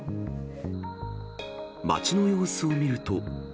街の様子を見ると。